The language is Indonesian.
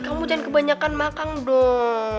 kamu jangan kebanyakan makan dong